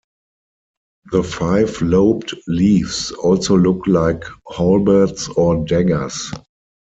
The five-lobed leaves also look like halberds or daggers.